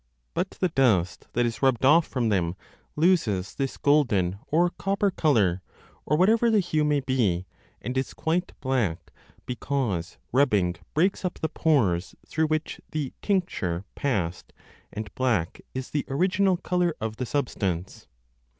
25 But the dust that is rubbed off from them loses this golden or copper colour (or whatever the hue may be), and is quite black, because rubbing breaks up the pores through which the tincture passed, and black is the original colour of the substance.